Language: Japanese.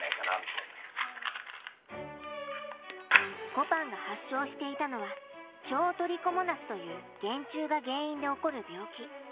こぱんが発症していたのは腸トリコモナスという原虫が原因で起こる病気。